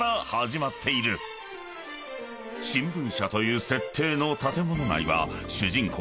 ［新聞社という設定の建物内は主人公